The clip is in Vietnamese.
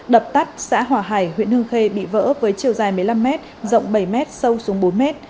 đập tắt xã hòa hải huyện hương khê bị vỡ với chiều dài một mươi năm mét rộng bảy m sâu xuống bốn m